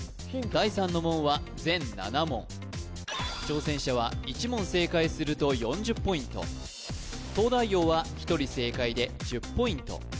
第三の門は全７問挑戦者は１問正解すると４０ポイント東大王は１人正解で１０ポイント